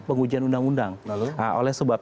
pengujian undang undang oleh sebab